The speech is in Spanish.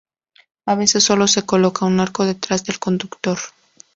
A veces, sólo se coloca un arco detrás del conductor.